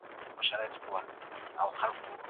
د سياستوالو لخوا د امکاناتو غوره کارونه کېږي.